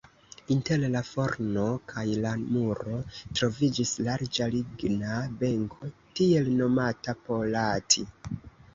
Inter la forno kaj la muro troviĝis larĝa ligna benko, tiel nomata "polati".